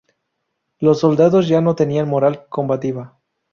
Los soldados ya no tenían moral combativa.